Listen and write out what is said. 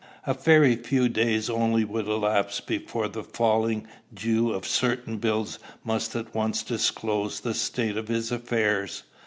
A very few days only would elapse before the falling due of certain bills must at once disclose the state of his affairs.